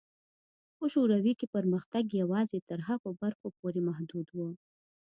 په شوروي کې پرمختګ یوازې تر هغو برخو پورې محدود و.